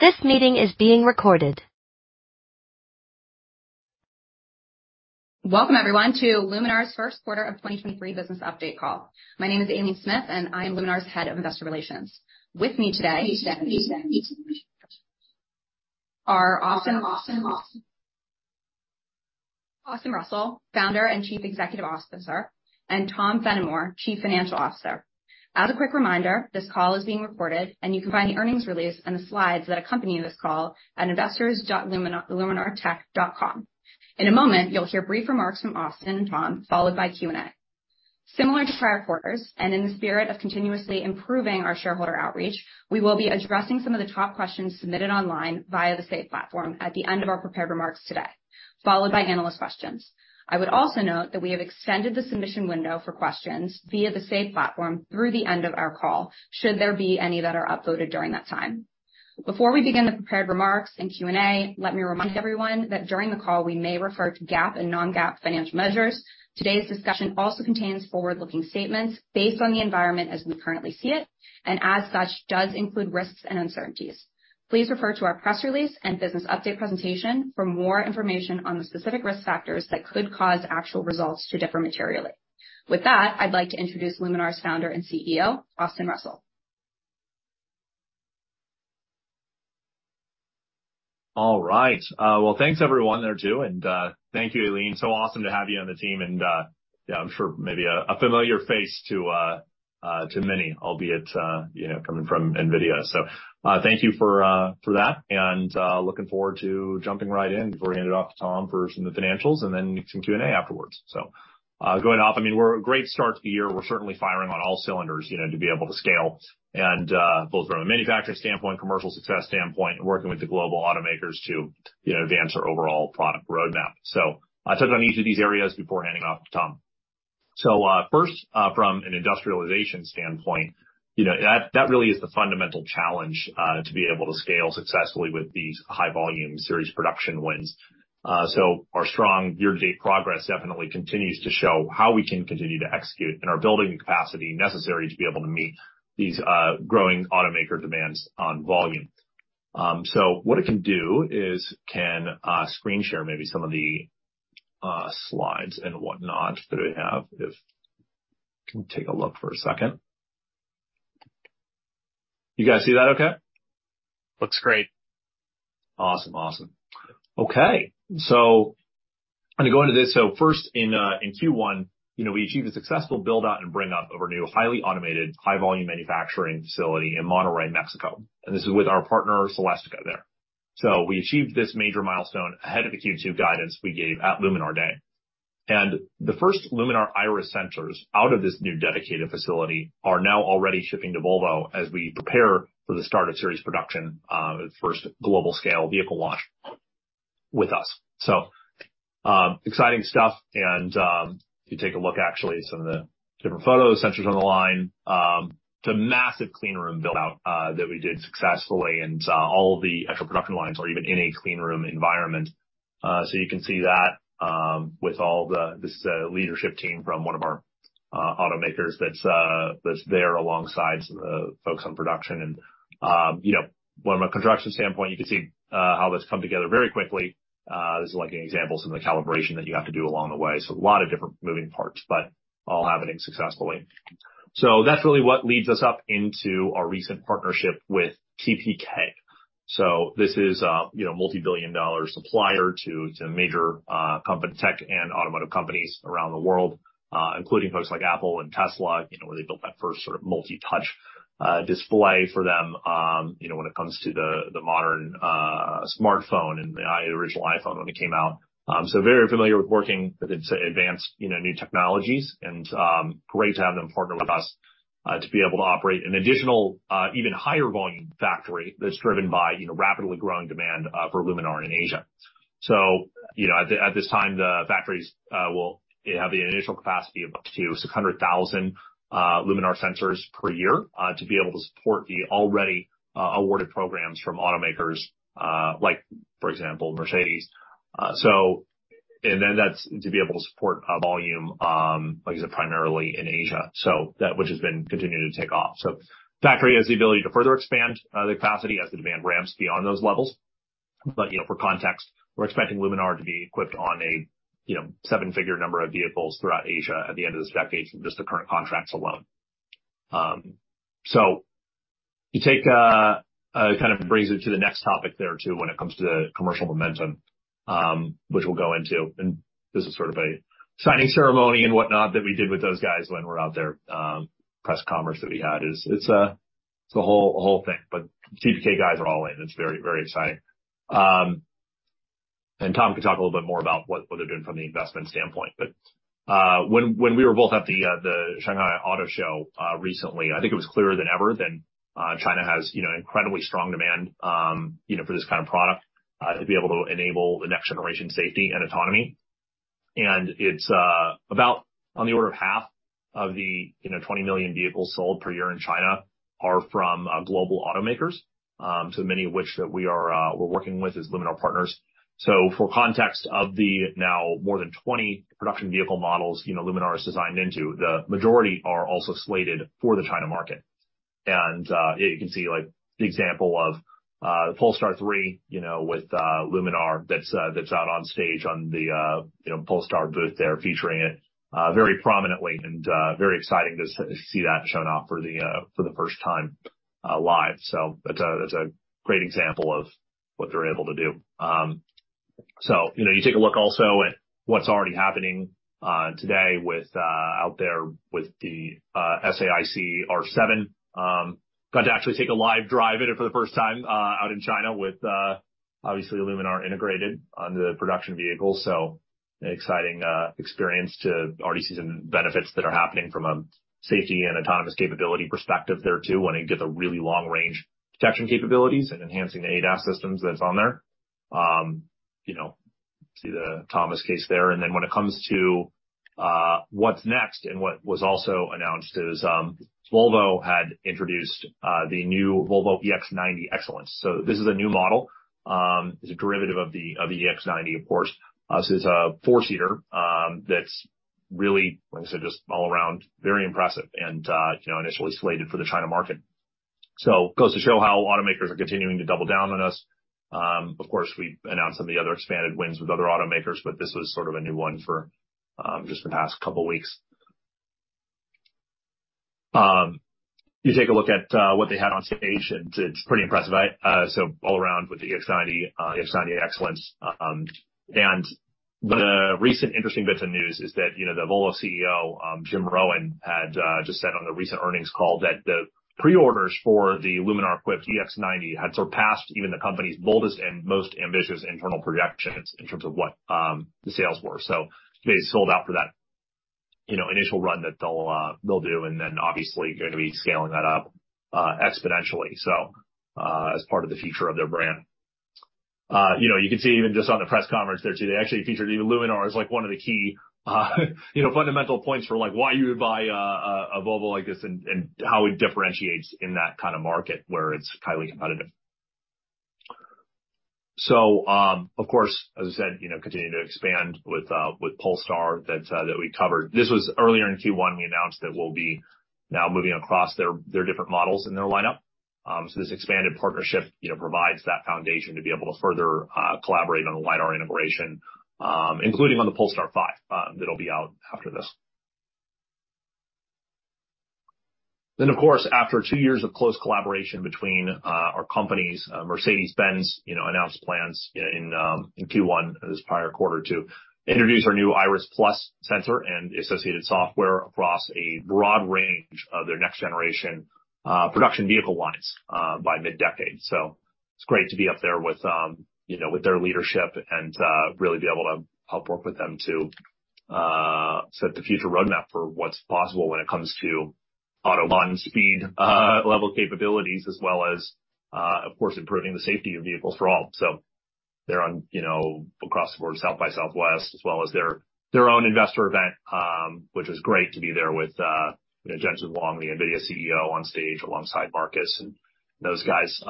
Welcome everyone to Luminar's First Quarter of 2023 Business Update Call. My name is Aileen Smith, and I am Luminar's Head of Investor Relations. With me today are Austin Russell, Founder and Chief Executive Officer, and Tom Fennimore, Chief Financial Officer. As a quick reminder, this call is being recorded, and you can find the earnings release and the slides that accompany this call at investors.luminartech.com. In a moment, you'll hear brief remarks from Austin and Tom, followed by Q&A. Similar to prior quarters, and in the spirit of continuously improving our shareholder outreach, we will be addressing some of the top questions submitted online via the Say platform at the end of our prepared remarks today, followed by analyst questions. I would also note that we have extended the submission window for questions via the Say platform through the end of our call, should there be any that are uploaded during that time. Before we begin the prepared remarks and Q&A, let me remind everyone that during the call we may refer to GAAP and non-GAAP financial measures. Today's discussion also contains forward-looking statements based on the environment as we currently see it. As such, does include risks and uncertainties. Please refer to our press release and business update presentation for more information on the specific risk factors that could cause actual results to differ materially. With that, I'd like to introduce Luminar's Founder and CEO, Austin Russell. All right. Well, thanks everyone there too. Thank you, Aileen. Awesome to have you on the team. Yeah, I'm sure maybe a familiar face to many, albeit, you know, coming from NVIDIA. Thank you for that, and looking forward to jumping right in before I hand it off to Tom for some of the financials and then some Q&A afterwards. Going off, I mean, we're a great start to the year. We're certainly firing on all cylinders, you know, to be able to scale and both from a manufacturing standpoint, commercial success standpoint, and working with the global automakers to, you know, advance our overall product roadmap. I'll touch on each of these areas before handing off to Tom. First, from an industrialization standpoint, you know, that really is the fundamental challenge, to be able to scale successfully with these high volume series production wins. Our strong year-to-date progress definitely continues to show how we can continue to execute and are building the capacity necessary to be able to meet these, growing automaker demands on volume. What I can do is can screen share maybe some of the slides and whatnot that I have. Can take a look for a second? You guys see that okay? Looks great. Awesome. Awesome. Okay, I'm gonna go into this. First in Q1, you know, we achieved a successful build-out and bring up of our new highly automated high volume manufacturing facility in Monterrey, Mexico. This is with our partner, Celestica, there. We achieved this major milestone ahead of the Q2 guidance we gave at Luminar Day. The first Luminar Iris sensors out of this new dedicated facility are now already shipping to Volvo as we prepare for the start of series production, first global scale vehicle launch with us. Exciting stuff. If you take a look actually at some of the different photos, sensors on the line, it's a massive clean room build out that we did successfully. All the actual production lines are even in a clean room environment. You can see that, this is a leadership team from one of our automakers that's there alongside some of the folks on production. You know, from a construction standpoint, you can see how this come together very quickly. This is like an example, some of the calibration that you have to do along the way. A lot of different moving parts, but all happening successfully. That's really what leads us up into our recent partnership with TPK. This is a, you know, multi-billion dollar supplier to major company tech and automotive companies around the world, including folks like Apple and Tesla, you know, where they built that first sort of multi-touch display for them, you know, when it comes to the modern smartphone and the original iPhone when it came out. Very familiar with working with its advanced, you know, new technologies and great to have them partner with us to be able to operate an additional even higher volume factory that's driven by, you know, rapidly growing demand for Luminar in Asia. You know, at this time, the factories will have the initial capacity of up to 600,000 Luminar sensors per year, to be able to support the already awarded programs from automakers, like, for example, Mercedes. And then that's to be able to support a volume, like I said, primarily in Asia. That which has been continuing to take off. Factory has the ability to further expand the capacity as the demand ramps beyond those levels. You know, for context, we're expecting Luminar to be equipped on a, you know, seven-figure number of vehicles throughout Asia at the end of this decade from just the current contracts alone. To take, kind of brings it to the next topic there too when it comes to commercial momentum, which we'll go into, and this is sort of a signing ceremony and whatnot that we did with those guys when we're out there. Press conference that we had it's a whole thing. TPK guys are all in. It's very, very exciting. Tom could talk a little bit more about what they're doing from the investment standpoint, but when we were both at the Shanghai Auto Show recently, I think it was clearer than ever that China has, you know, incredibly strong demand, you know, for this kind of product to be able to enable the next generation safety and autonomy. It's about on the order of half of the, you know, 20 million vehicles sold per year in China are from global automakers, so many of which that we are working with as Luminar partners. For context of the now more than 20 production vehicle models, you know, Luminar is designed into, the majority are also slated for the China market. You can see, like, the example of Polestar 3, you know, with Luminar that's that's out on stage on the, you know, Polestar booth there featuring it very prominently and very exciting to see that shown off for the first time live. That's a great example of what they're able to do. You know, you take a look also at what's already happening today with out there with the SAIC R7. Got to actually take a live drive in it for the first time out in China with obviously Luminar integrated on the production vehicle. An exciting experience to already see some benefits that are happening from a safety and autonomous capability perspective there too, when you get the really long-range detection capabilities and enhancing the ADAS systems that's on there. You know, see the Thomas case there. When it comes to what's next and what was also announced is, Volvo had introduced the new Volvo EX90 Excellence. This is a new model. It's a derivative of the EX90, of course. This is a four-seater that's really, like I said, just all around very impressive and, you know, initially slated for the China market. Goes to show how automakers are continuing to double down on us. Of course, we announced some of the other expanded wins with other automakers, but this was sort of a new one for just the past couple weeks. You take a look at what they had on stage, and it's pretty impressive, so all around with the EX90 Excellence. The recent interesting bits of news is that, you know, the Volvo CEO, Jim Rowan, had just said on the recent earnings call that the pre-orders for the Luminar-equipped EX90 had surpassed even the company's boldest and most ambitious internal projections in terms of what the sales were. They sold out for that, you know, initial run that they'll do and then obviously going to be scaling that up exponentially. As part of the future of their brand. You can see even just on the press conference there too, they actually featured even Luminar as one of the key fundamental points for why you would buy a Volvo like this and how it differentiates in that kind of market where it's highly competitive. Of course, as I said, continuing to expand with Polestar that we covered. This was earlier in Q1 we announced that we'll be now moving across their different models in their lineup. This expanded partnership provides that foundation to be able to further collaborate on the LiDAR integration, including on the Polestar 5 that'll be out after this. Of course, after two years of close collaboration between our companies, Mercedes-Benz, you know, announced plans in Q1 this prior quarter to introduce our new Iris Plus sensor and associated software across a broad range of their next generation production vehicle lines by mid-decade. It's great to be up there with, you know, with their leadership and really be able to help work with them to set the future roadmap for what's possible when it comes to Autobahn-speed level capabilities, as well as, of course, improving the safety of vehicles for all. They're on, you know, across the board, South by Southwest, as well as their own investor event, which was great to be there with, you know, Jensen Huang, the NVIDIA CEO on stage alongside Marcus and those guys,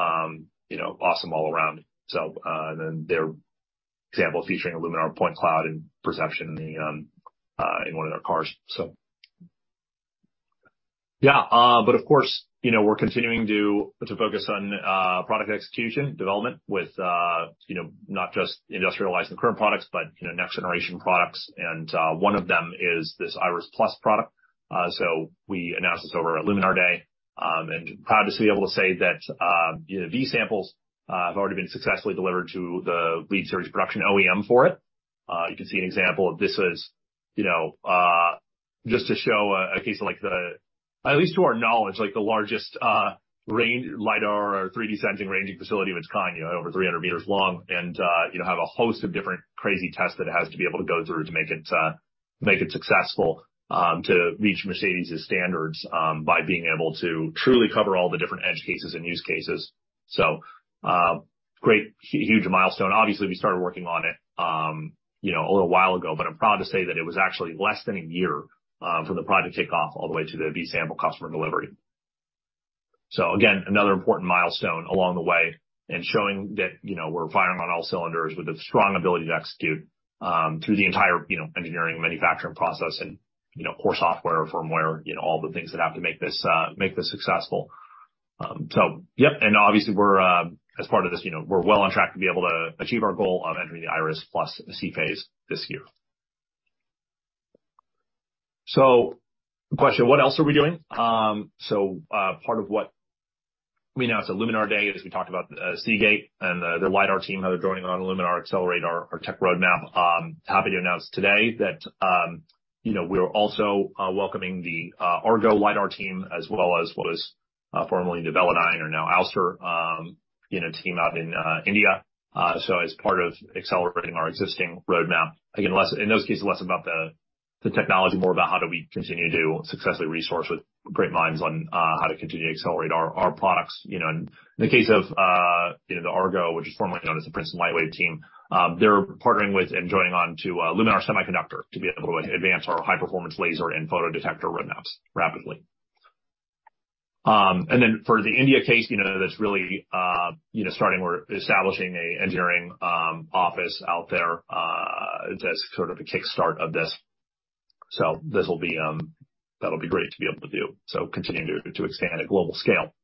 you know, awesome all around. Their example featuring a Luminar point cloud and perception in one of their cars. Of course, you know, we're continuing to focus on product execution development with, you know, not just industrializing the current products but, you know, next generation products. One of them is this Iris Plus product. We announced this over at Luminar Day, and proud to be able to say that, you know, these samples have already been successfully delivered to the lead series production OEM for it. You can see an example of this is, you know, just to show a case of like the at least to our knowledge, like the largest range LiDAR or 3D sensing ranging facility of its kind, you know, over 300 m long and, you know, have a host of different crazy tests that it has to be able to go through to make it successful, to reach Mercedes's standards, by being able to truly cover all the different edge cases and use cases. Great huge milestone. Obviously, we started working on it, you know, a little while ago, but I'm proud to say that it was actually less than 1 year from the project kickoff all the way to the B sample customer delivery. So again, another important milestone along the way and showing that, you know, we're firing on all cylinders with a strong ability to execute through the entire, you know, engineering manufacturing process and, you know, core software, firmware, you know, all the things that have to make this make this successful. So yep. Obviously we're, as part of this, you know, we're well on track to be able to achieve our goal of entering the Iris+ C phase this year. The question, what else are we doing? Part of what we announced at Luminar Day is we talked about Seagate and the LiDAR team, how they're joining on Luminar to accelerate our tech roadmap. Happy to announce today that, you know, we're also welcoming the Argo AI LiDAR team as well as what was formerly Velodyne are now Ouster, you know, team out in India. As part of accelerating our existing roadmap, again, in those cases, less about the technology more about how do we continue to successfully resource with great minds on how to continue to accelerate our products, you know. In the case of, you know, the Argo AI, which is formerly known as the Princeton Lightwave team, they're partnering with and joining on to Luminar Semiconductor to be able to advance our high performance laser and photodetector roadmaps rapidly. For the India case, you know, that's really, you know, starting or establishing an engineering office out there as sort of a kick start of this. This will be, that'll be great to be able to do. Continue to expand at global scale.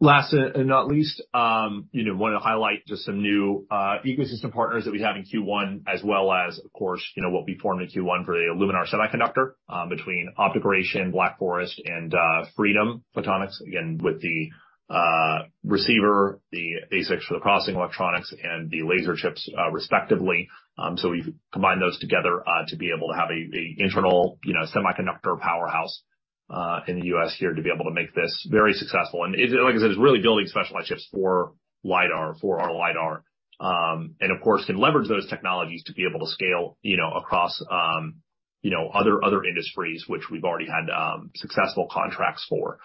Last and not least, you know, want to highlight just some new ecosystem partners that we had in Q1 as well as, of course, you know, what we formed in Q1 for the Luminar Semiconductor, between OptoGration, Black Forest and Freedom Photonics, again, with the receiver, the basics for the processing electronics and the laser chips, respectively. We combine those together to be able to have an internal, you know, semiconductor powerhouse in the U.S. here to be able to make this very successful. Like I said, it's really building specialized chips for LiDAR, for our LiDAR, and of course, can leverage those technologies to be able to scale, you know, across, you know, other industries which we've already had successful contracts for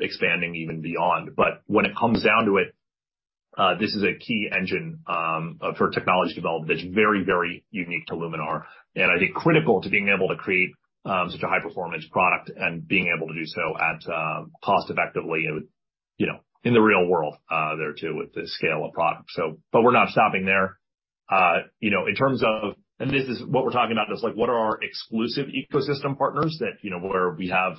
expanding even beyond. When it comes down to it, this is a key engine for technology development that's very, very unique to Luminar, and I think critical to being able to create such a high-performance product and being able to do so at cost effectively, you know, in the real world there too, with the scale of product. We're not stopping there. You know, and this is what we're talking about, just like what are our exclusive ecosystem partners that you know, where we have,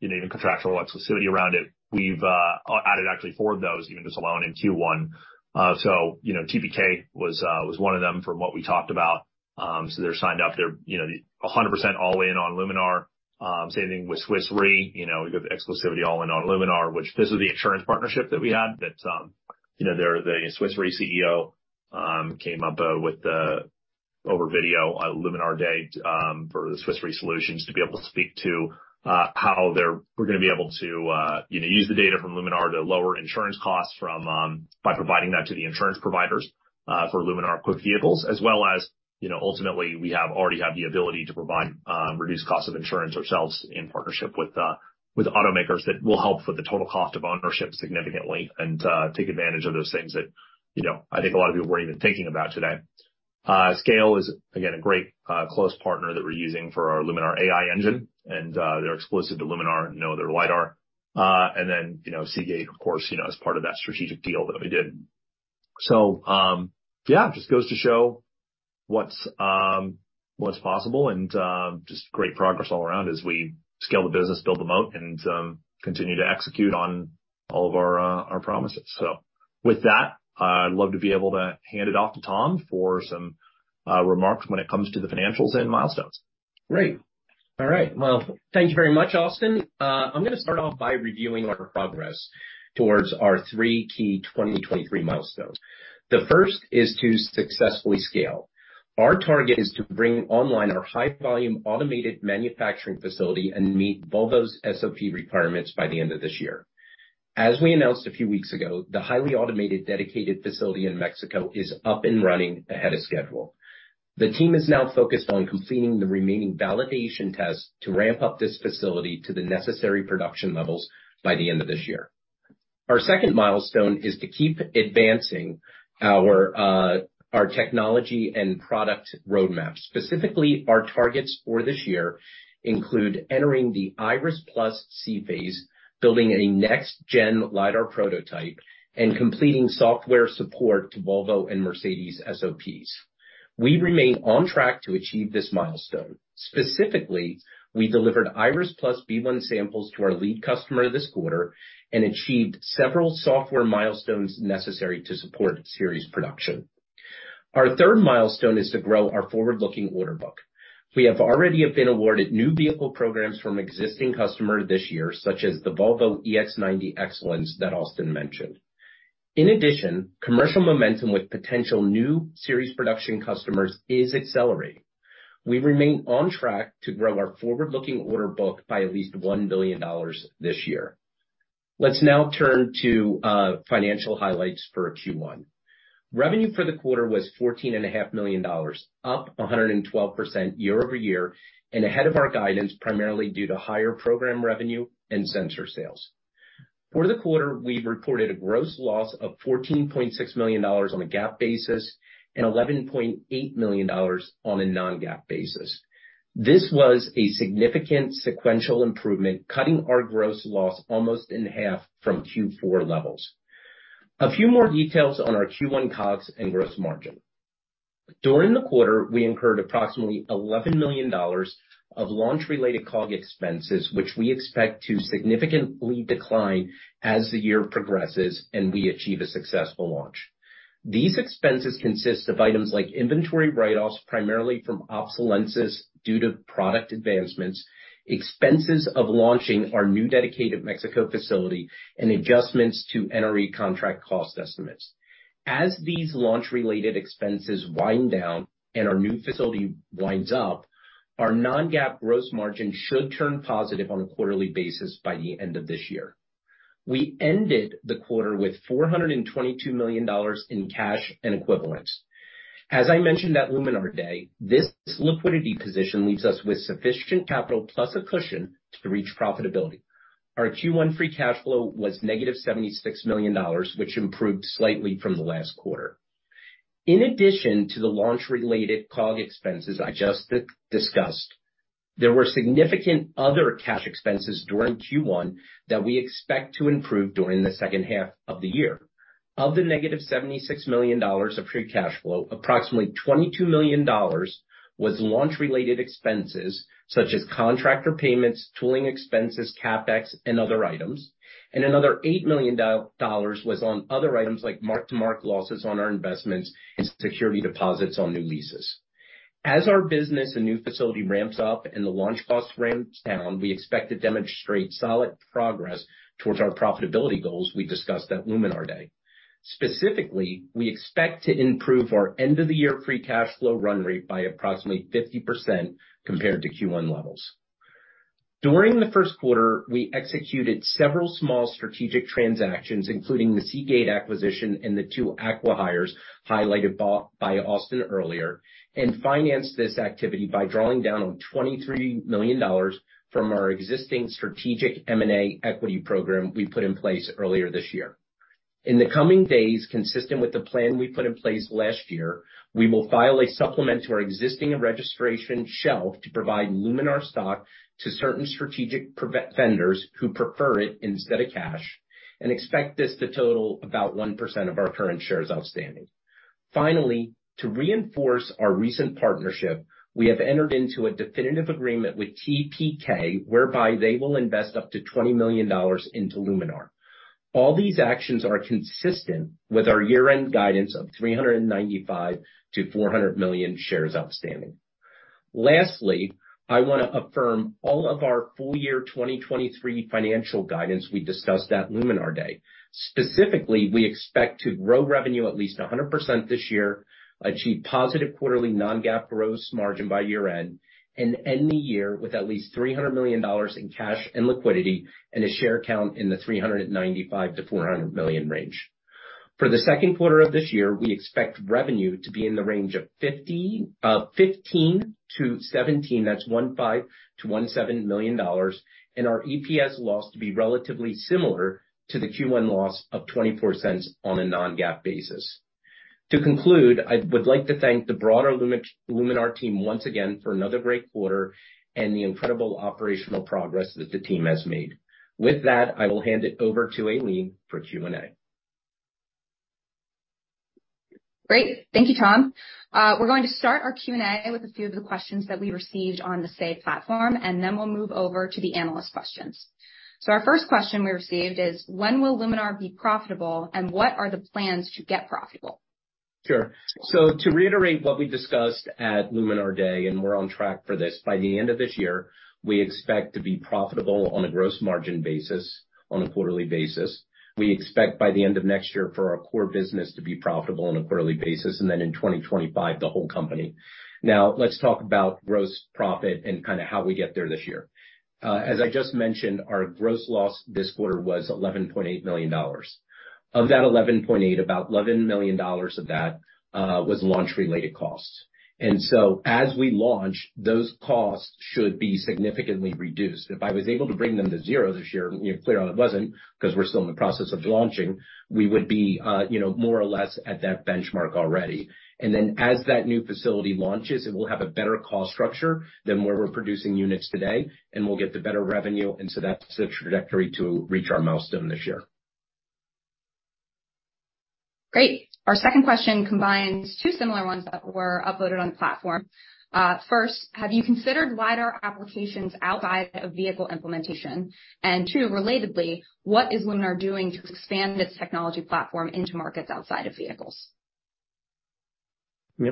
you know, even contractual exclusivity around it. We've added actually four of those even just alone in Q1. You know, TPK was one of them from what we talked about. They're signed up. They're, you know, 100% all in on Luminar. Same thing with Swiss Re. You know, we've got the exclusivity all in on Luminar, which this is the insurance partnership that we had that, you know, the Swiss Re CEO, came up with the over video on Luminar Day, for the Swiss Re solutions to be able to speak to how we're gonna be able to, you know, use the data from Luminar to lower insurance costs from by providing that to the insurance providers for Luminar-equipped vehicles. As well as, you know, ultimately, we already have the ability to provide reduced cost of insurance ourselves in partnership with automakers that will help with the total cost of ownership significantly and take advantage of those things that, you know, I think a lot of people weren't even thinking about today. Scale is again, a great close partner that we're using for our Luminar AI Engine, they're exclusive to Luminar and know their LiDAR. Then, you know, Seagate, of course, you know, as part of that strategic deal that we did. Yeah, it just goes to show what's possible and just great progress all around as we scale the business, build them out, continue to execute on all of our promises. With that, I'd love to be able to hand it off to Tom for some remarks when it comes to the financials and milestones. Great. All right. Well, thank thank you very much, Austin. I'm gonna start off by reviewing our progress towards our 3 key 2023 milestones. The first is to successfully scale. Our target is to bring online our high volume automated manufacturing facility and meet Volvo's SOP requirements by the end of this year. As we announced a few weeks ago, the highly automated dedicated facility in Mexico is up and running ahead of schedule. The team is now focused on completing the remaining validation tests to ramp up this facility to the necessary production levels by the end of this year. Our second milestone is to keep advancing our technology and product roadmap. Specifically, our targets for this year include entering the Iris+ C-sample phase, building a next-gen LiDAR prototype, and completing software support to Volvo and Mercedes-Benz SOPs. We remain on track to achieve this milestone. Specifically, we delivered Iris+ B1 samples to our lead customer this quarter and achieved several software milestones necessary to support series production. Our third milestone is to grow our forward-looking order book. We have already been awarded new vehicle programs from existing customers this year, such as the Volvo EX90 Excellence that Austin mentioned. In addition, commercial momentum with potential new series production customers is accelerating. We remain on track to grow our forward-looking order book by at least $1 billion this year. Let's now turn to financial highlights for Q1. Revenue for the quarter was $14.5 million, up 112% year-over-year and ahead of our guidance, primarily due to higher program revenue and sensor sales. For the quarter, we reported a gross loss of $14.6 million on a GAAP basis and $11.8 million on a non-GAAP basis. This was a significant sequential improvement, cutting our gross loss almost in half from Q4 levels. A few more details on our Q1 COGS and gross margin. During the quarter, we incurred approximately $11 million of launch-related COGS expenses, which we expect to significantly decline as the year progresses and we achieve a successful launch. These expenses consist of items like inventory write-offs, primarily from obsolescence due to product advancements, expenses of launching our new dedicated Mexico facility, and adjustments to NRE contract cost estimates. As these launch-related expenses wind down and our new facility winds up, our non-GAAP gross margin should turn positive on a quarterly basis by the end of this year. We ended the quarter with $422 million in cash and equivalents. As I mentioned at Luminar Day, this liquidity position leaves us with sufficient capital plus a cushion to reach profitability. Our Q1 free cash flow was -$76 million, which improved slightly from the last quarter. In addition to the launch-related COGS expenses I just discussed, there were significant other cash expenses during Q1 that we expect to improve during the second half of the year. Of the -$76 million of free cash flow, approximately $22 million was launch-related expenses such as contractor payments, tooling expenses, CapEx and other items. Another $8 million was on other items like mark-to-market losses on our investments and security deposits on new leases. As our business and new facility ramps up and the launch costs ramps down, we expect to demonstrate solid progress towards our profitability goals we discussed at Luminar Day. Specifically, we expect to improve our end-of-the-year free cash flow run rate by approximately 50% compared to Q1 levels. During the first quarter, we executed several small strategic transactions, including the Seagate acquisition and the two acquihires highlighted by Austin earlier, and financed this activity by drawing down on $23 million from our existing strategic M&A equity program we put in place earlier this year. In the coming days, consistent with the plan we put in place last year, we will file a supplement to our existing registration shelf to provide Luminar stock to certain strategic provet vendors who prefer it instead of cash, and expect this to total about 1% of our current shares outstanding. To reinforce our recent partnership, we have entered into a definitive agreement with TPK whereby they will invest up to $20 million into Luminar. All these actions are consistent with our year-end guidance of 395 million-400 million shares outstanding. I want to affirm all of our full year 2023 financial guidance we discussed at Luminar Day. Specifically, we expect to grow revenue at least 100% this year, achieve positive quarterly non-GAAP gross margin by year-end, and end the year with at least $300 million in cash and liquidity and a share count in the 395 million-400 million range. For the second quarter of this year, we expect revenue to be in the range of $15 million-$17 million, and our EPS loss to be relatively similar to the Q1 loss of $0.24 on a non-GAAP basis. To conclude, I would like to thank the broader Luminar team once again for another great quarter and the incredible operational progress that the team has made. I will hand it over to Aileen for Q&A. Great. Thank you, Tom. We're going to start our Q&A with a few of the questions that we received on the Say platform. We'll move over to the analyst questions. Our first question we received is, when will Luminar be profitable, and what are the plans to get profitable? Sure. To reiterate what we discussed at Luminar Day, we're on track for this, by the end of this year, we expect to be profitable on a gross margin basis on a quarterly basis. We expect by the end of next year for our core business to be profitable on a quarterly basis, and then in 2025, the whole company. Now, let's talk about gross profit and kind of how we get there this year. As I just mentioned, our gross loss this quarter was $11.8 million. Of that $11.8, about $11 million of that, was launch-related costs. As we launch, those costs should be significantly reduced. If I was able to bring them to zero this year, you know, clear on it wasn't, 'cause we're still in the process of launching, we would be, you know, more or less at that benchmark already. As that new facility launches, it will have a better cost structure than where we're producing units today, and we'll get the better revenue. That's the trajectory to reach our milestone this year. Great. Our second question combines two similar ones that were uploaded on the platform. First, have you considered LiDAR applications outside of vehicle implementation? Two relatedly, what is Luminar doing to expand its technology platform into markets outside of vehicles? Yeah.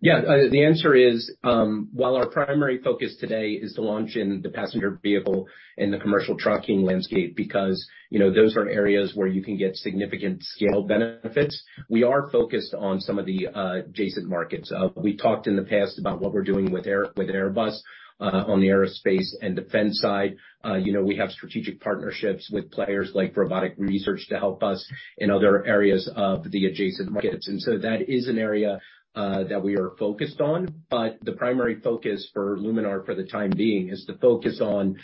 Yeah. The answer is, while our primary focus today is to launch in the passenger vehicle and the commercial trucking landscape because, you know, those are areas where you can get significant scale benefits, we are focused on some of the adjacent markets. We talked in the past about what we're doing with Airbus on the aerospace and defense side. You know, we have strategic partnerships with players like Robotic Research to help us in other areas of the adjacent markets. That is an area that we are focused on. The primary focus for Luminar for the time being is to focus on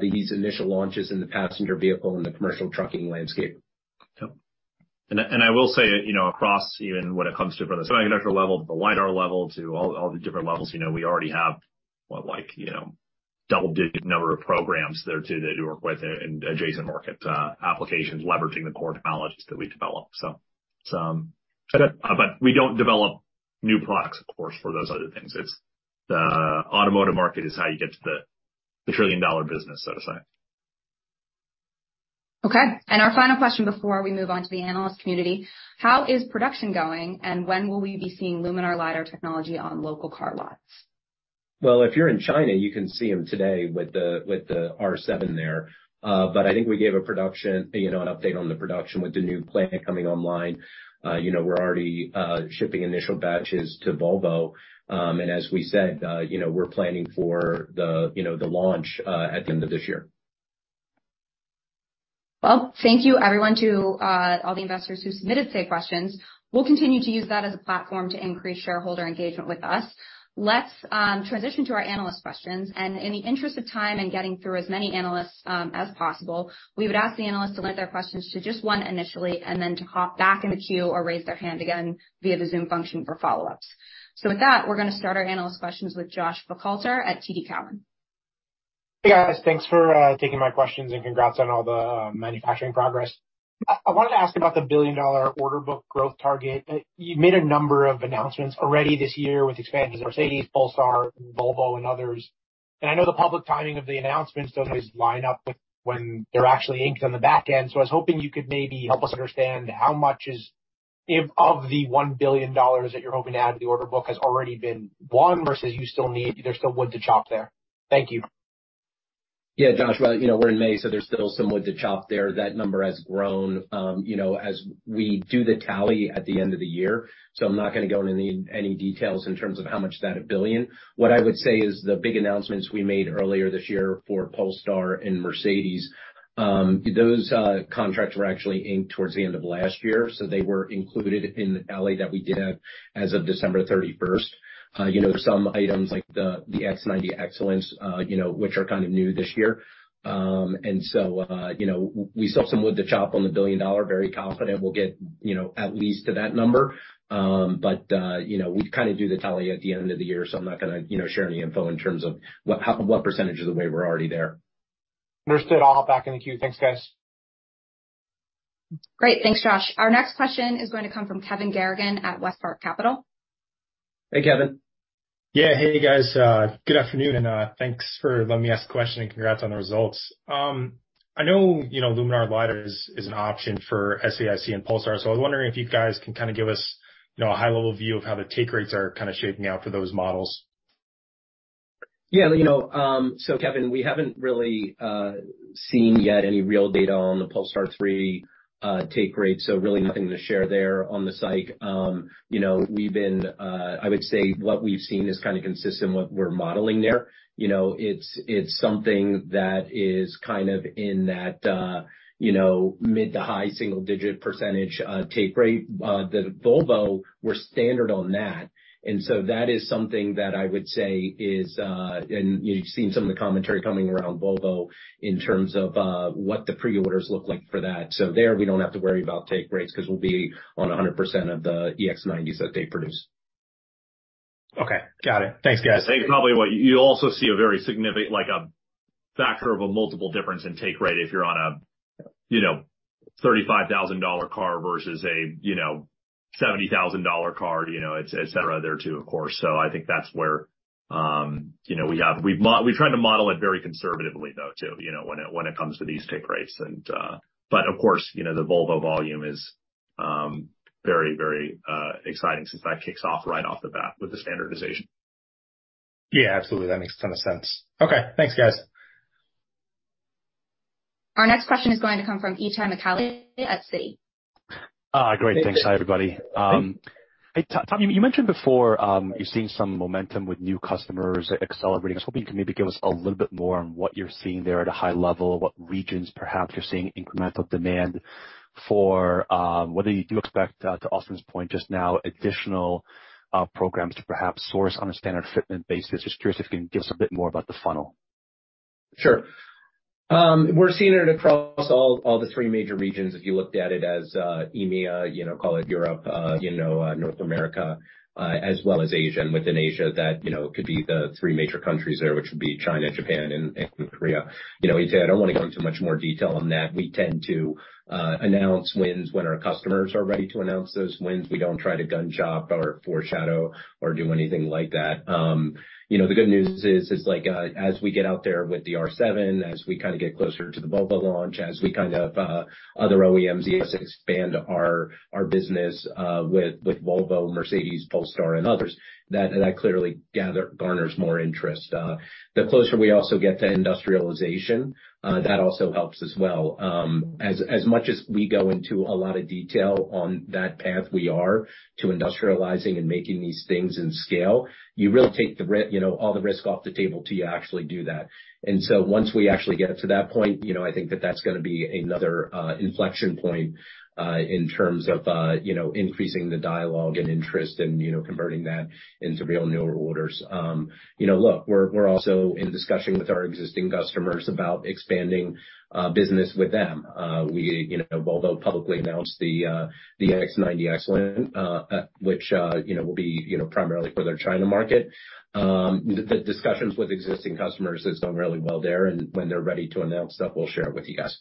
these initial launches in the passenger vehicle and the commercial trucking landscape. Yeah. I will say, you know, across even when it comes to from the semiconductor level to the LiDAR level to all the different levels, you know, we already have, what, like, you know, double-digit number of programs there too, to work with in adjacent market applications, leveraging the core technologies that we develop. We don't develop new products, of course, for those other things. It's the automotive market is how you get to the trillion-dollar business, so to say. Okay. Our final question before we move on to the analyst community. How is production going, and when will we be seeing Luminar LiDAR technology on local car lots? Well, if you're in China, you can see them today with the R7 there. I think we gave a production, you know, an update on the production with the new plant coming online. You know, we're already shipping initial batches to Volvo. As we said, you know, we're planning for the launch at the end of this year. Well, thank you everyone to all the investors who submitted Say questions. We'll continue to use that as a platform to increase shareholder engagement with us. Let's transition to our analyst questions. In the interest of time in getting through as many analysts as possible, we would ask the analysts to limit their questions to just 1 initially and then to hop back in the queue or raise their hand again via the Zoom function for follow-ups. With that, we're gonna start our analyst questions with Joshua Buchalter at TD Cowen. Hey, guys. Thanks for taking my questions and congrats on all the manufacturing progress. I wanted to ask about the billion-dollar order book growth target. You've made a number of announcements already this year with expansions of Mercedes, Polestar, Volvo, and others, and I know the public timing of the announcements don't always line up with when they're actually inked on the back end, so I was hoping you could maybe help us understand how much of the $1 billion that you're hoping to add to the order book has already been won versus you still need, there's still wood to chop there. Thank you. Yeah, Josh. Well, you know, we're in May, so there's still some wood to chop there. That number has grown, you know, as we do the tally at the end of the year, so I'm not gonna go into any details in terms of how much that $1 billion. What I would say is the big announcements we made earlier this year for Polestar and Mercedes, those contracts were actually inked towards the end of last year, so they were included in the tally that we did as of December 31st. You know, some items like the EX90 Excellence, you know, which are kind of new this year. You know, we still have some wood to chop on the billion-dollar. Very confident we'll get, you know, at least to that number. You know, we kind of do the tally at the end of the year, so I'm not gonna, you know, share any info in terms of what, how, what percentage of the way we're already there. Understood. I'll hop back in the queue. Thanks, guys. Great. Thanks, Josh. Our next question is going to come from Kevin Garrigan at WestPark Capital. Hey, Kevin. Yeah. Hey, guys. Good afternoon. Thanks for letting me ask a question, and congrats on the results. I know, you know, Luminar LiDAR is an option for SAIC and Polestar. I was wondering if you guys can kind of give us, you know, a high level view of how the take rates are kind of shaping out for those models. Yeah. You know, Kevin, we haven't really seen yet any real data on the Polestar 3 take rate, so really nothing to share there on the psych. You know, I would say what we've seen is kind of consistent with what we're modeling there. You know, it's something that is kind of in that, you know, mid to high single digit % take rate. The Volvo, we're standard on that is something that I would say is, you've seen some of the commentary coming around Volvo in terms of what the pre-orders look like for that. There, we don't have to worry about take rates 'cause we'll be on 100% of the EX90s that they produce. Okay. Got it. Thanks, guys. Thanks. You're welcome. You'll also see a very like a factor of a multiple difference in take rate if you're on a, you know, $35,000 car versus a, you know, $70,000 car, you know, et cetera there too, of course. I think that's where, you know, we have. We've tried to model it very conservatively though, too, you know, when it comes to these take rates. Of course, you know, the Volvo volume is very, very exciting since that kicks off right off the bat with the standardization. Yeah, absolutely. That makes ton of sense. Okay, thanks, guys. Our next question is going to come from Itay Michaeli at Citi. Great. Thanks. Hi, everybody. Hey. Hey, Tom. You mentioned before, you're seeing some momentum with new customers accelerating. I was hoping you could maybe give us a little bit more on what you're seeing there at a high level, what regions perhaps you're seeing incremental demand for, whether you do expect to Austin's point just now, additional programs to perhaps source on a standard fitment basis. Just curious if you can give us a bit more about the funnel. Sure. We're seeing it across all the three major regions, if you looked at it as EMEA, you know, call it Europe, you know, North America, as well as Asia. Within Asia that, you know, could be the three major countries there, which would be China, Japan, and Korea. You know, Itay, I don't wanna go into much more detail on that. We tend to announce wins when our customers are ready to announce those wins. We don't try to gun shop or foreshadow or do anything like that. You know, the good news is like, as we get out there with the R7, as we kind of get closer to the Volvo launch, as we kind of, other OEMs expand our business, with Volvo, Mercedes, Polestar and others, that clearly garners more interest. The closer we also get to industrialization, that also helps as well. As much as we go into a lot of detail on that path we are to industrializing and making these things in scale, you really take the you know, all the risk off the table till you actually do that. Once we actually get to that point, you know, I think that that's gonna be another inflection point in terms of, you know, increasing the dialogue and interest and, you know, converting that into real new orders. You know, look, we're also in discussion with our existing customers about expanding business with them. We, you know, Volvo publicly announced the EX90 Excellence, which, you know, will be, you know, primarily for their China market. The discussions with existing customers has done really well there, and when they're ready to announce that, we'll share it with you guys.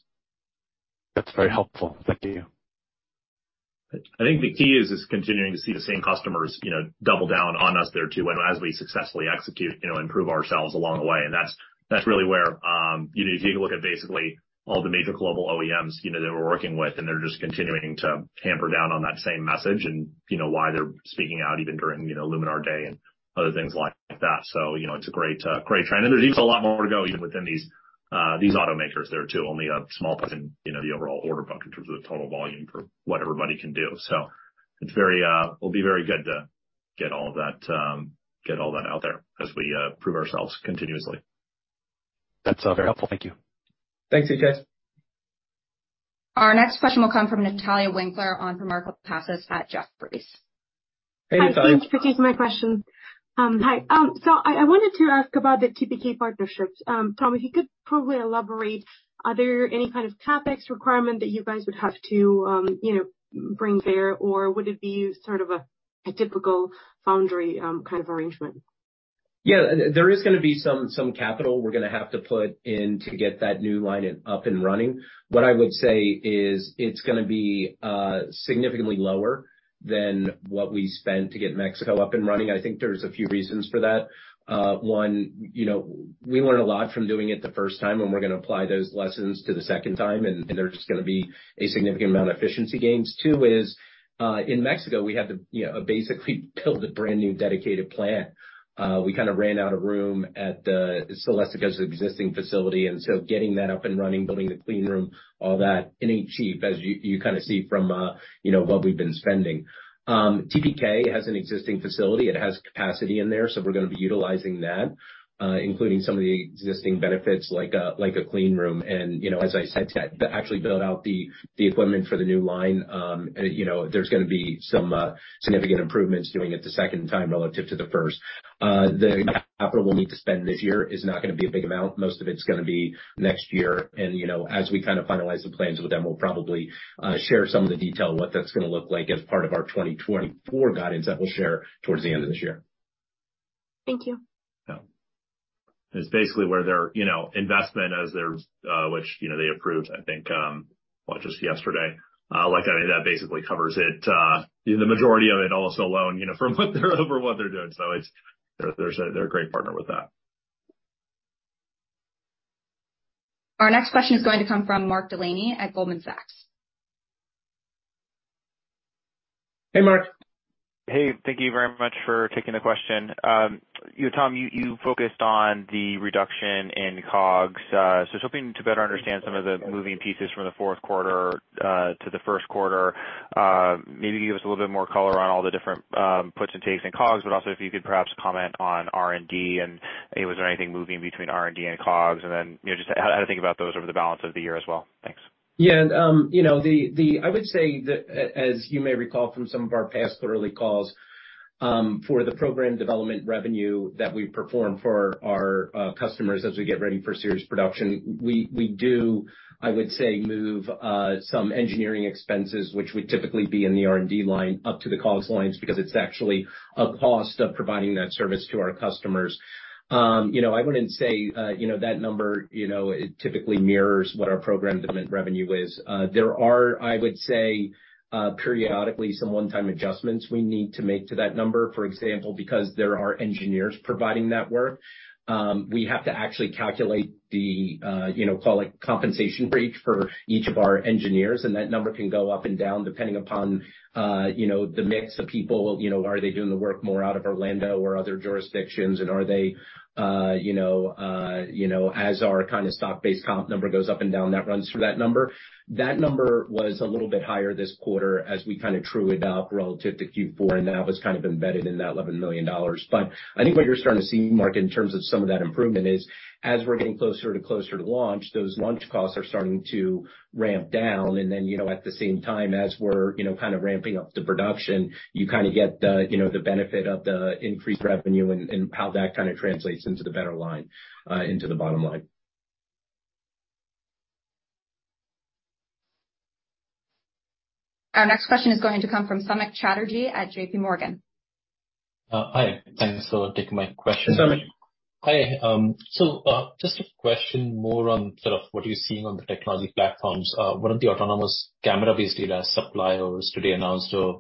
That's very helpful. Thank you. I think the key is continuing to see the same customers, you know, double down on us there, too, and as we successfully execute, you know, improve ourselves along the way. That's really where, you know, if you take a look at basically all the major global OEMs, you know, that we're working with, they're just continuing to hammer down on that same message and, you know, why they're speaking out even during, you know, Luminar Day and other things like that. It's a great trend. There's even a lot more to go even within these automakers there, too. Only a small portion, you know, the overall order book in terms of the total volume for what everybody can do. Will be very good to get all that, get all that out there as we prove ourselves continuously. That's very helpful. Thank you. Thanks, Itay. Our next question will come from Natalia Winkler on from Jefferies at Jefferies. Hey, Natalia. Thanks for taking my question. Hi. I wanted to ask about the TPK partnership. Tom, if you could probably elaborate, are there any kind of CapEx requirement that you guys would have to, you know, bring there? Or would it be sort of a typical foundry kind of arrangement? Yeah. There is gonna be some capital we're gonna have to put in to get that new line up and running. What I would say is it's gonna be significantly lower than what we spent to get Mexico up and running. I think there's a few reasons for that. One, you know, we learned a lot from doing it the first time, we're gonna apply those lessons to the second time, there's just gonna be a significant amount of efficiency gains. Two is, in Mexico, we had to, you know, basically build a brand new dedicated plant. We kinda ran out of room at the Celestica's existing facility, getting that up and running, building the clean room, all that, it ain't cheap, as you kinda see from, you know, what we've been spending. TPK has an existing facility. It has capacity in there, so we're gonna be utilizing that, including some of the existing benefits like a clean room. You know, as I said, to actually build out the equipment for the new line, you know, there's gonna be some significant improvements doing it the second time relative to the first. The capital we'll need to spend this year is not gonna be a big amount. Most of it's gonna be next year. You know, as we kind of finalize the plans with them, we'll probably share some of the detail of what that's gonna look like as part of our 2024 guidance that we'll share towards the end of this year. Thank you. It's basically where their, you know, investment as their, which, you know, they approved, I think, what, just yesterday. Like I said, that basically covers it, the majority of it almost alone, you know, from what they're over what they're doing. They're a great partner with that. Our next question is going to come from Mark Delaney at Goldman Sachs. Hey, Mark. Hey, thank you very much for taking the question. you know, Tom, you focused on the reduction in COGS. Just hoping to better understand some of the moving pieces from the fourth quarter to the first quarter, maybe give us a little bit more color on all the different puts and takes in COGS, but also if you could perhaps comment on R&D, Was there anything moving between R&D and COGS? Then, you know, just how to think about those over the balance of the year as well. Thanks. Yeah. You know, I would say that as you may recall from some of our past quarterly calls, for the program development revenue that we perform for our customers as we get ready for series production, we do, I would say, move some engineering expenses, which would typically be in the R&D line up to the COGS lines because it's actually a cost of providing that service to our customers. You know, I wouldn't say that number, it typically mirrors what our program development revenue is. There are, I would say, periodically, some one-time adjustments we need to make to that number. For example, because there are engineers providing that work, we have to actually calculate the, you know, call it compensation rate for each of our engineers, and that number can go up and down depending upon, you know, the mix of people. You know, are they doing the work more out of Orlando or other jurisdictions, and are they, you know, as our kinda stock-based comp number goes up and down, that runs through that number. That number was a little bit higher this quarter as we kinda true it up relative to Q4, and that was kind of embedded in that $11 million. I think what you're starting to see, Mark, in terms of some of that improvement is as we're getting closer to launch, those launch costs are starting to ramp down. You know, at the same time, as we're, you know, kind of ramping up the production, you kinda get the, you know, the benefit of the increased revenue and how that kinda translates into the better line, into the bottom line. Our next question is going to come from Samik Chatterjee at JPMorgan. Hi. Thanks for taking my question. Samik. Hi. Just a question more on sort of what you're seeing on the technology platforms. One of the autonomous camera-based radar suppliers today announced a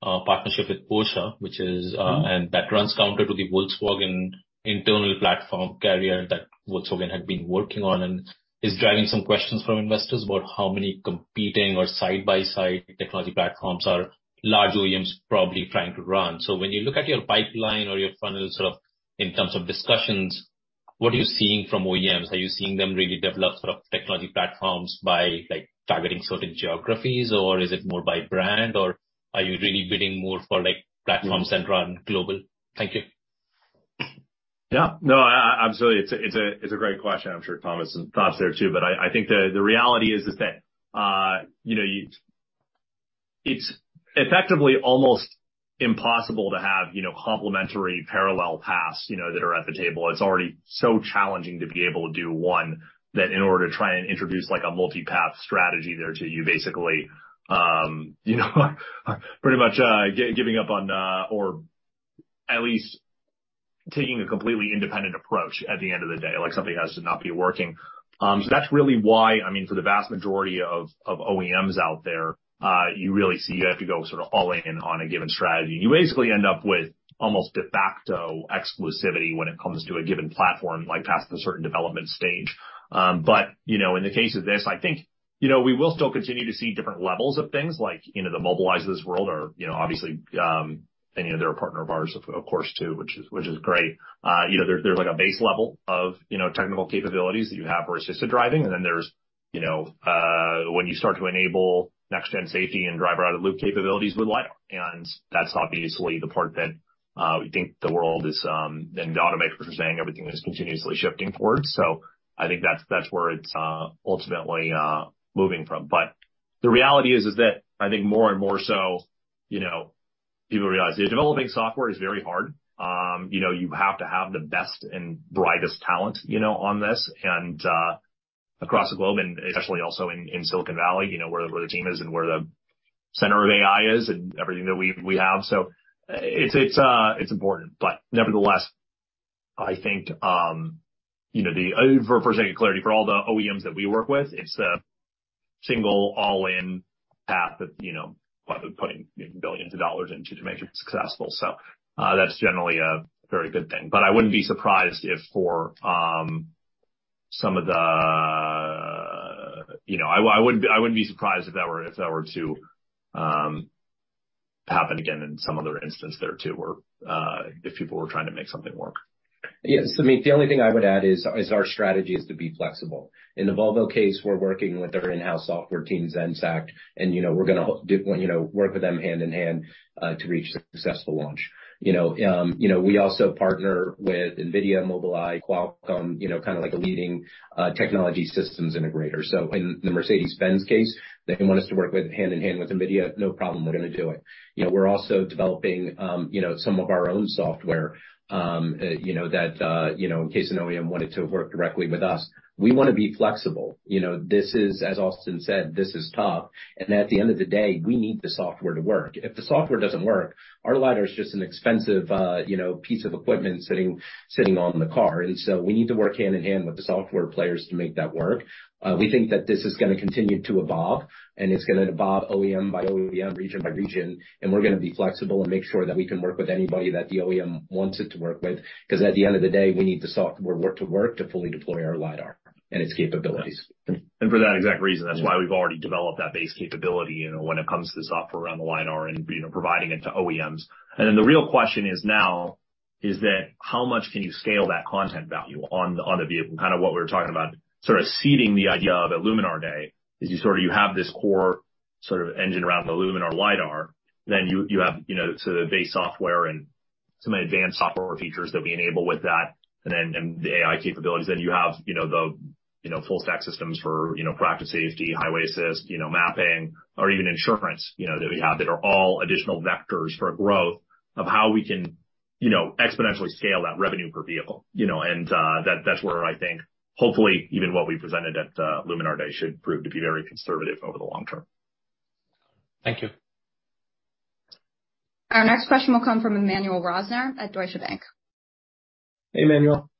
partnership with Porsche, which is, and that runs counter to the Volkswagen internal platform carrier that Volkswagen had been working on and is driving some questions from investors about how many competing or side-by-side technology platforms are large OEMs probably trying to run. When you look at your pipeline or your funnel, sort of in terms of discussions, what are you seeing from OEMs? Are you seeing them really develop sort of technology platforms by, like, targeting certain geographies, or is it more by brand, or are you really bidding more for, like, platforms that run global? Thank you. No, absolutely. It's a great question. I'm sure Thomas has some thoughts there too, but I think the reality is that, you know, it's effectively almost impossible to have, you know, complementary parallel paths, you know, that are at the table. It's already so challenging to be able to do one that in order to try and introduce like a multipath strategy there to you basically, you know, pretty much giving up on, or at least taking a completely independent approach at the end of the day, like something has to not be working. That's really why, I mean, for the vast majority of OEMs out there, you really see you have to go sort of all in on a given strategy, and you basically end up with almost de facto exclusivity when it comes to a given platform, like past a certain development stage. You know, in the case of this, I think, you know, we will still continue to see different levels of things like, you know, the Mobileye's world are, you know, obviously, and, you know, they're a partner of ours, of course, too, which is great. You know, there's like a base level of, you know, technical capabilities that you have for assisted driving, and then You know, when you start to enable next-gen safety and driver out-of-the-loop capabilities with LiDAR, and that's obviously the part that we think the world is, and the automakers are saying everything is continuously shifting towards. I think that's where it's ultimately moving from. The reality is that I think more and more so, you know, people realize developing software is very hard. You know, you have to have the best and brightest talent, you know, on this and across the globe and especially also in Silicon Valley, you know, where the team is and where the center of AI is and everything that we have. It's important. Nevertheless, I think, you know, for sake of clarity, for all the OEMs that we work with, it's the single all-in path that, you know, putting billions of dollars into to make sure it's successful. That's generally a very good thing. I wouldn't be surprised if for some of the, you know I wouldn't be surprised if that were to happen again in some other instance there too, where if people were trying to make something work. Yes. I mean, the only thing I would add is our strategy is to be flexible. In the Volvo case, we're working with their in-house software team, Zenseact, you know, we're gonna, you know, work with them hand in hand to reach successful launch. You know, you know, we also partner with NVIDIA, Mobileye, Qualcomm, you know, kind of like a leading technology systems integrator. In the Mercedes-Benz case, they want us to work with hand in hand with NVIDIA, no problem, we're gonna do it. You know, we're also developing, you know, some of our own software, you know, that, you know, in case an OEM wanted to work directly with us. We wanna be flexible. You know, this is, as Austin said, this is tough. At the end of the day, we need the software to work. If the software doesn't work, our LiDAR is just an expensive, you know, piece of equipment sitting on the car. We need to work hand in hand with the software players to make that work. We think that this is gonna continue to evolve and it's gonna evolve OEM by OEM, region by region, and we're gonna be flexible and make sure that we can work with anybody that the OEM wants it to work with. 'Cause at the end of the day, we need the software work to work to fully deploy our LiDAR and its capabilities. For that exact reason, that's why we've already developed that base capability, you know, when it comes to the software around the LiDAR and, you know, providing it to OEMs. The real question is now is that how much can you scale that content value on the vehicle? Kinda what we were talking about, sort of seeding the idea of a Luminar Day is you have this core sort of engine around the Luminar LiDAR. You have, you know, sort of base software and some advanced software features that we enable with that and then, and the AI capabilities. You have, you know, the, you know, full stack systems for, you know, proactive safety, highway assist, you know, mapping or even insurance, you know, that we have that are all additional vectors for growth of how we can, you know, exponentially scale that revenue per vehicle, you know. That, that's where I think hopefully even what we presented at Luminar Day should prove to be very conservative over the long term. Thank you. Our next question will come from Emmanuel Rosner at Deutsche Bank. Hey, Emmanuel.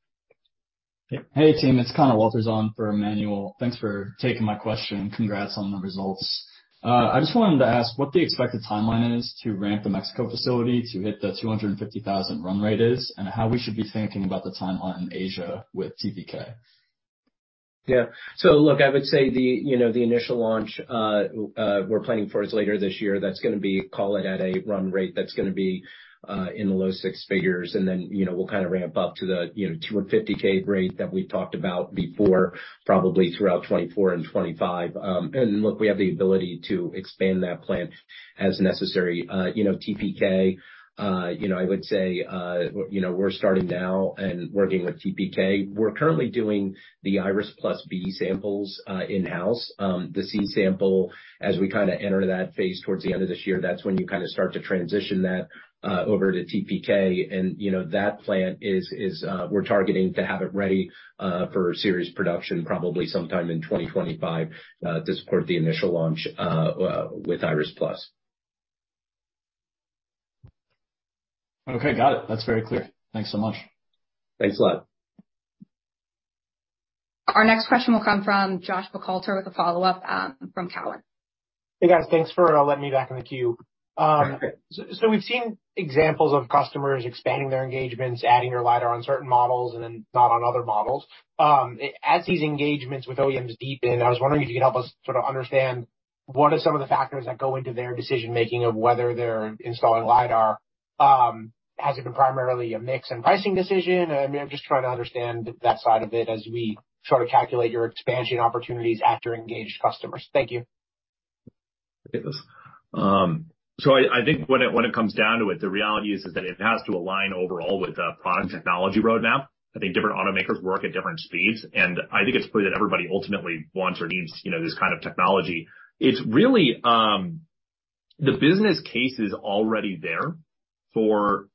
Hey, hey team, it's Connor Walters on for Emmanuel. Thanks for taking my question. Congrats on the results. I just wanted to ask what the expected timeline is to ramp the Mexico facility to hit the 250,000 run rate is, and how we should be thinking about the timeline in Asia with TPK. Look, I would say the, you know, the initial launch we're planning for is later this year. That's going to be call it at a run rate that's going to be in the low six figures. Then, you know, we'll kind of ramp up to the, you know, 250K rate that we've talked about before, probably throughout 2024 and 2025. Look, we have the ability to expand that plan as necessary. TPK, you know, I would say, you know, we're starting now and working with TPK. We're currently doing the Iris+ B samples in-house. The C sample, as we kind of enter that phase towards the end of this year, that's when you kind of start to transition that over to TPK. you know, that plant is, we're targeting to have it ready for series production probably sometime in 2025 to support the initial launch with Iris+. Okay. Got it. That's very clear. Thanks so much. Thanks a lot. Our next question will come from Joshua Buchalter with a follow-up from Cowen. Hey, guys. Thanks for letting me back in the queue. We've seen examples of customers expanding their engagements, adding your LiDAR on certain models and then not on other models. As these engagements with OEMs deepen, I was wondering if you could help us sort of understand what are some of the factors that go into their decision-making of whether they're installing LiDAR. Has it been primarily a mix and pricing decision? I mean, I'm just trying to understand that side of it as we sort of calculate your expansion opportunities after engaged customers. Thank you. I think when it comes down to it, the reality is that it has to align overall with the product technology roadmap. I think different automakers work at different speeds, and I think it's clear that everybody ultimately wants or needs, you know, this kind of technology. It's really, the business case is already there for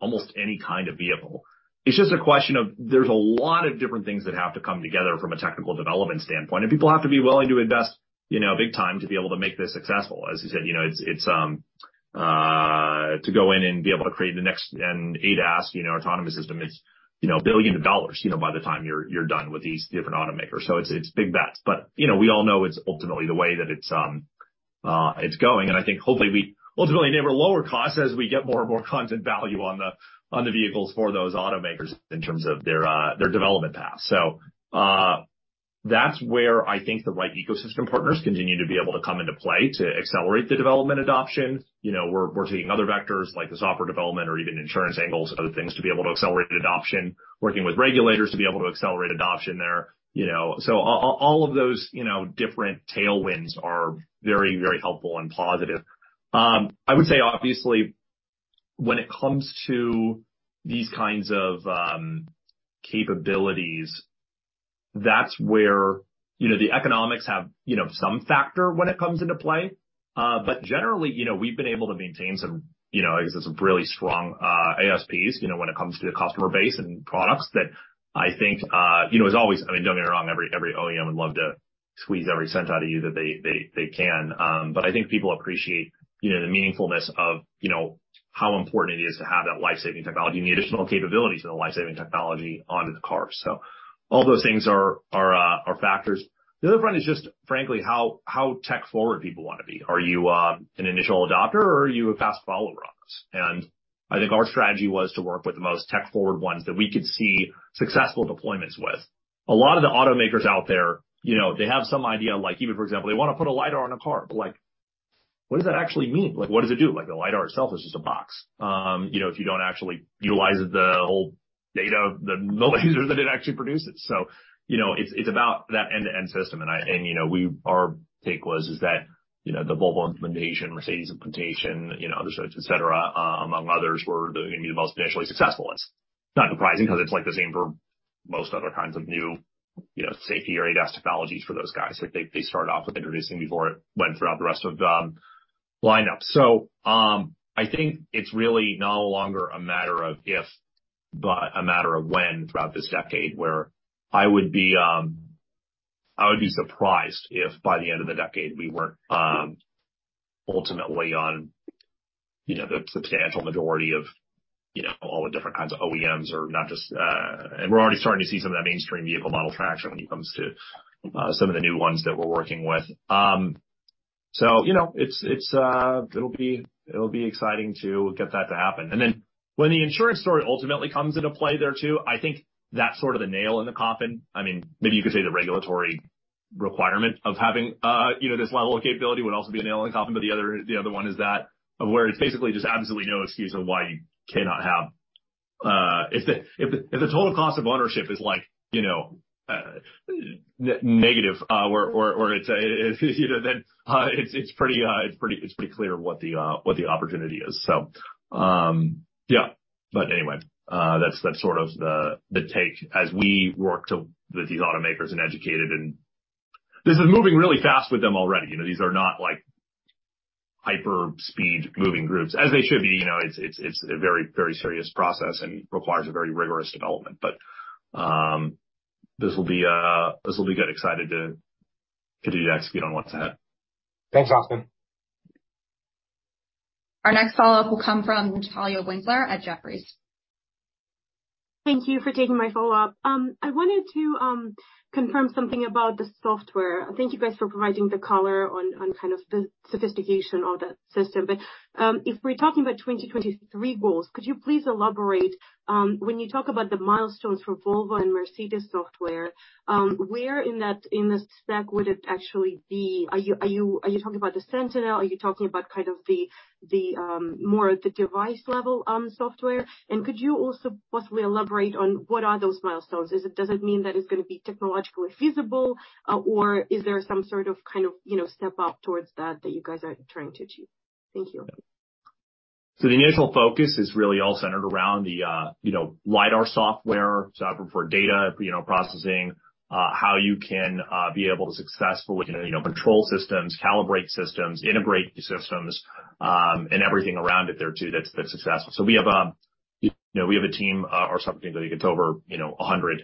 almost any kind of vehicle. It's just a question of there's a lot of different things that have to come together from a technical development standpoint, and people have to be willing to invest, you know, big time to be able to make this successful. As you said, you know, it's to go in and be able to create the next-gen ADAS, you know, autonomous system, it's, you know, billions of dollars, you know, by the time you're done with these different automakers. It's, it's big bets. You know, we all know it's ultimately the way that it's going. I think hopefully we ultimately enable lower costs as we get more and more content value on the, on the vehicles for those automakers in terms of their development path. That's where I think the right ecosystem partners continue to be able to come into play to accelerate the development adoption. You know, we're seeing other vectors like the software development or even insurance angles, other things to be able to accelerate adoption, working with regulators to be able to accelerate adoption there, you know. All of those, you know, different tailwinds are very, very helpful and positive. I would say, obviously when it comes to these kinds of capabilities, that's where, you know, the economics have, you know, some factor when it comes into play. Generally, you know, we've been able to maintain some, you know, I guess, some really strong ASPs, you know, when it comes to the customer base and products that I think, you know, as always, I mean, don't get me wrong, every OEM would love to squeeze every cent out of you that they can. I think people appreciate, you know, the meaningfulness of, you know, how important it is to have that life-saving technology and the additional capabilities of the life-saving technology onto the car. All those things are factors. The other one is just frankly how tech forward people wanna be. Are you an initial adopter or are you a fast follower on this? I think our strategy was to work with the most tech forward ones that we could see successful deployments with. A lot of the automakers out there, you know, they have some idea, like even for example, they wanna put a LiDAR on a car. Like, what does that actually mean? Like, what does it do? Like, the LiDAR itself is just a box. you know, if you don't actually utilize the whole data, the mileage that it actually produces. you know, it's about that end-to-end system. you know, our take was, is that, you know, the Volvo implementation, Mercedes implementation, you know, et cetera, among others, were gonna be the most financially successful ones. It's not surprising 'cause it's like the same for most other kinds of new, you know, safety or ADAS technologies for those guys that they started off with introducing before it went throughout the rest of the lineup. I think it's really no longer a matter of if, but a matter of when throughout this decade where I would be, I would be surprised if by the end of the decade we weren't ultimately on, you know, the substantial majority of, you know, all the different kinds of OEMs or not just. We're already starting to see some of that mainstream vehicle model traction when it comes to some of the new ones that we're working with. You know, it's, it'll be, it'll be exciting to get that to happen. When the insurance story ultimately comes into play there too, I think that's sort of the nail in the coffin. I mean, maybe you could say the regulatory requirement of having, you know, this level of capability would also be a nail in the coffin. The other one is that of where it's basically just absolutely no excuse of why you cannot have if the total cost of ownership is like, you know, negative, or it's, you know, then, it's pretty clear what the opportunity is. Yeah. Anyway, that's sort of the take as we work with these automakers and educate them. This is moving really fast with them already. You know, these are not like hyper speed moving groups, as they should be. You know, it's a very, very serious process and requires a very rigorous development. This will be good. Excited to execute on what's ahead. Thanks, Austin. Our next follow-up will come from Natalia Winkler at Jefferies. Thank you for taking my follow-up. I wanted to confirm something about the software. Thank you guys for providing the color on kind of the sophistication of that system. If we're talking about 2023 goals, could you please elaborate when you talk about the milestones for Volvo and Mercedes software, where in the stack would it actually be? Are you talking about the Sentinel? Are you talking about kind of the more at the device level software? Could you also possibly elaborate on what are those milestones? Does it mean that it's gonna be technologically feasible, or is there some sort of, kind of, you know, step up towards that that you guys are trying to achieve? Thank you. The initial focus is really all centered around the, you know, LiDAR software. For data, you know, processing, how you can be able to successfully, you know, control systems, calibrate systems, integrate systems, and everything around it there too that's successful. We have, you know, we have a team, or something I think it's over, you know, 100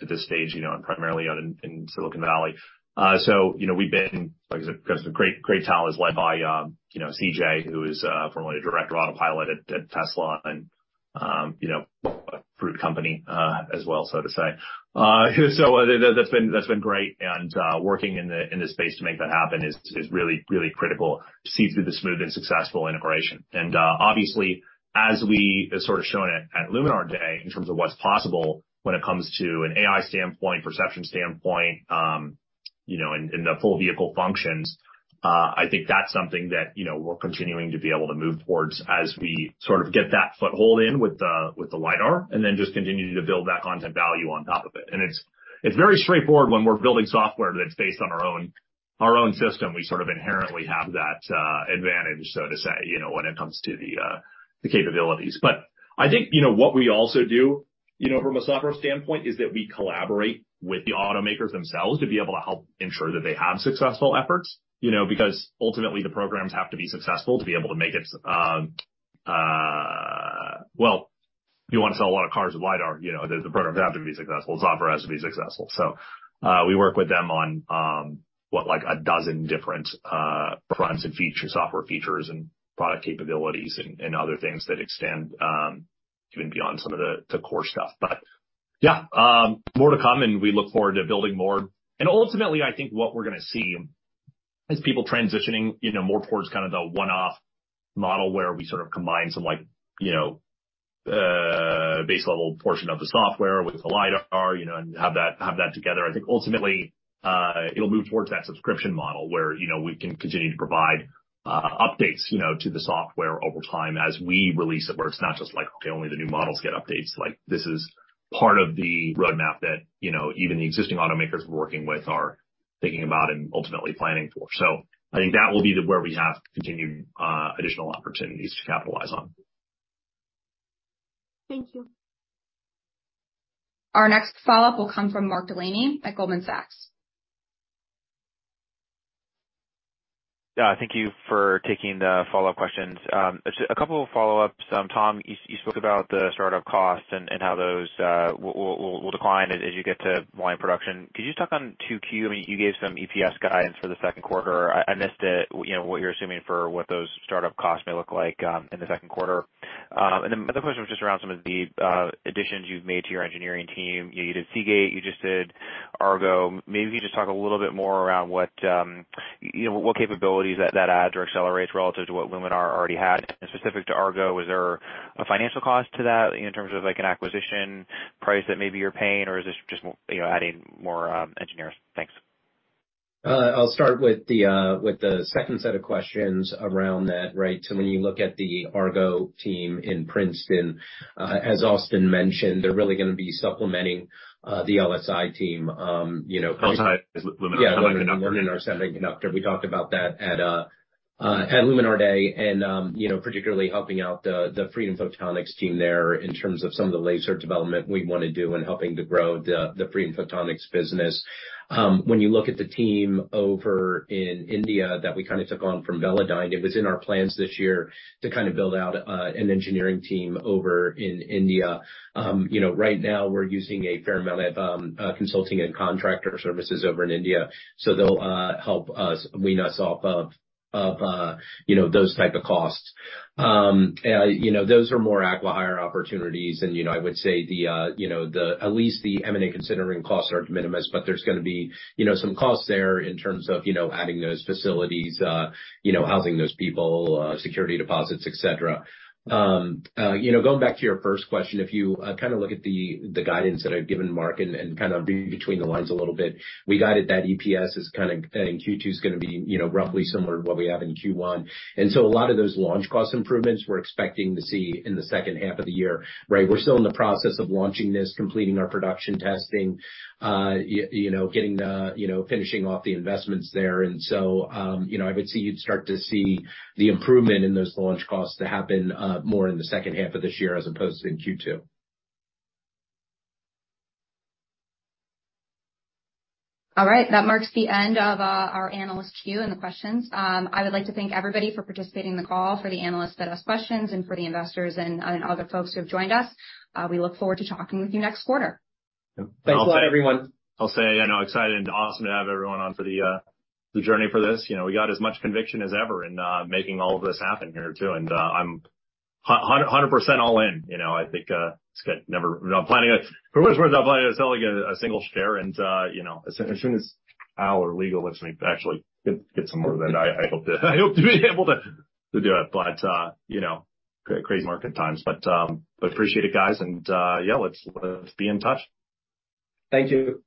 at this stage, you know, and primarily out in Silicon Valley. You know, we've been, like I said, great talent is led by, you know, CJ, who is formerly director of Autopilot at Tesla and, you know, a fruit company as well, so to say. That's been, that's been great. Working in this space to make that happen is really, really critical to see through the smooth and successful integration. Obviously, as we sort of shown at Luminar Day in terms of what's possible when it comes to an AI standpoint, perception standpoint, you know, in the full vehicle functions, I think that's something that, you know, we're continuing to be able to move towards as we sort of get that foothold in with the LiDAR and then just continue to build that content value on top of it. It's very straightforward when we're building software that's based on our own system. We sort of inherently have that advantage, so to say, you know, when it comes to the capabilities. I think, you know, what we also do, you know, from a software standpoint is that we collaborate with the automakers themselves to be able to help ensure that they have successful efforts, you know, because ultimately the programs have to be successful to be able to make it. Well, you wanna sell a lot of cars with LiDAR, you know, the programs have to be successful, software has to be successful. We work with them on like 12 different products and software features and product capabilities and other things that extend even beyond some of the core stuff. Yeah, more to come, and we look forward to building more. Ultimately I think what we're gonna see is people transitioning, you know, more towards kind of the one-off model where we sort of combine some like, you know, base level portion of the software with the LiDAR, you know, and have that together. I think ultimately, it'll move towards that subscription model where, you know, we can continue to provide updates, you know, to the software over time as we release it, where it's not just like, okay, only the new models get updates. Like this is part of the roadmap that, you know, even the existing automakers we're working with are thinking about and ultimately planning for. I think that will be where we have continued additional opportunities to capitalize on. Thank you. Our next follow-up will come from Mark Delaney at Goldman Sachs. Thank you for taking the follow-up questions. Just a couple of follow-ups. Tom, you spoke about the startup costs and how those will decline as you get to line production. Could you talk on 2Q? I mean, you gave some EPS guidance for the second quarter. I missed it. You know, what you're assuming for what those startup costs may look like in the second quarter? The other question was just around some of the additions you've made to your engineering team. You know, you did Seagate, you just did Argo. Maybe you could just talk a little bit more around what, you know, what capabilities that adds or accelerates relative to what Luminar already had? Specific to Argo AI, was there a financial cost to that in terms of, like, an acquisition price that maybe you're paying, or is this just more, you know, adding more engineers? Thanks. I'll start with the with the second set of questions around that, right? When you look at the Argo team in Princeton, as Austin mentioned, they're really gonna be supplementing the LSI team, you know… LSI is Luminar Semiconductor. Yeah, Luminar Semiconductor. We talked about that at Luminar Day and, you know, particularly helping out the Freedom Photonics team there in terms of some of the laser development we wanna do and helping to grow the Freedom Photonics business. When you look at the team over in India that we kinda took on from Velodyne, it was in our plans this year to kind of build out an engineering team over in India. You know, right now we're using a fair amount of consulting and contractor services over in India, so they'll help us wean us off of, you know, those type of costs. you know, those are more acquihire opportunities and, you know, I would say the, you know, at least the M&A considering costs are de minimis, but there's gonna be, you know, some costs there in terms of, you know, adding those facilities, you know, housing those people, security deposits, et cetera. you know, going back to your first question, if you kind of look at the guidance that I've given, Mark, and kind of read between the lines a little bit, we guided that EPS is kinda, Q2's gonna be, you know, roughly similar to what we have in Q1. So a lot of those launch cost improvements we're expecting to see in the second half of the year, right? We're still in the process of launching this, completing our production testing, you know, getting the, you know, finishing off the investments there. You know, I would say you'd start to see the improvement in those launch costs to happen, more in the second half of this year as opposed to in Q2. All right. That marks the end of our analyst queue and the questions. I would like to thank everybody for participating in the call, for the analysts that asked questions and for the investors and other folks who have joined us. We look forward to talking with you next quarter. Thanks a lot, everyone. I'll say, you know, excited and awesome to have everyone on for the journey for this. You know, we got as much conviction as ever in making all of this happen here too. I'm a 100% all in. You know, I think it's never, I'm planning on for what it's worth, I'm planning on selling a single share and, you know, as soon as our legal lets me actually get some of it, I hope to be able to do it. You know, crazy market times. Appreciate it, guys, and yeah, let's be in touch. Thank you.